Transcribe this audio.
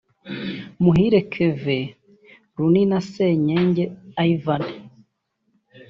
Muhire Kevin Rooney na Senyange Yvan